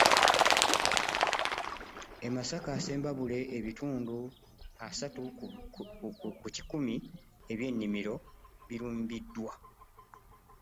E Masaka/Sembabule, ebitundu asatu ku kikumi eby’ennimiro birumbiddwa